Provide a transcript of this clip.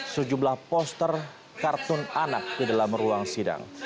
sejumlah poster kartun anak di dalam ruang sidang